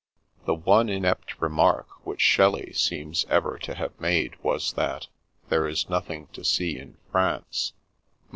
The one inept remark which Shelley seems ever to have made was that " there is nothing to see in France."